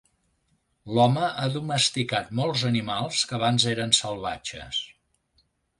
L'home ha domesticat molts animals que abans eren salvatges.